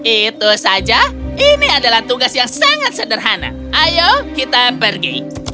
itu saja ini adalah tugas yang sangat sederhana ayo kita pergi